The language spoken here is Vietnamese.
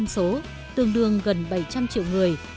tổng số tương đương gần bảy trăm linh triệu người